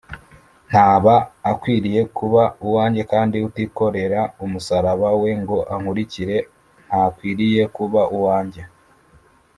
ntaba akwiriye kuba uwanjye kandi utikorera umusaraba we ngo ankurikire, ntakwiriye kuba uwanjye”